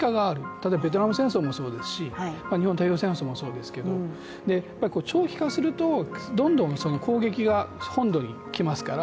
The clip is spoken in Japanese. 例えばベトナム戦争もそうですが日本の太平洋戦争もそうですけど長期化すると、どんどん攻撃が本土にきますから